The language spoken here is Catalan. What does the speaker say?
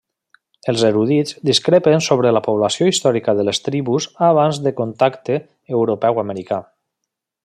Els erudits discrepen sobre la població històrica de les tribus abans de contacte europeu-americà.